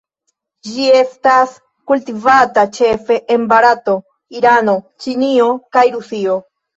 Ĝi estas kultivata ĉefe en Barato, Irano, Ĉinio, kaj Rusio.